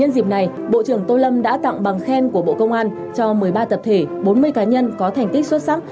nhân dịp này bộ trưởng tô lâm đã tặng bằng khen của bộ công an cho một mươi ba tập thể bốn mươi cá nhân có thành tích xuất sắc